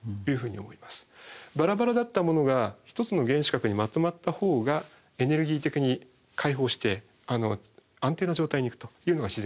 ばらばらだったものが１つの原子核にまとまったほうがエネルギー的に解放して安定な状態にいくというのが自然現象なんですけど。